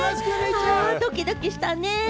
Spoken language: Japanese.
あ、ドキドキしたね。